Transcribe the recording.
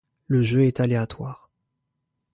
le jeu est aléatoire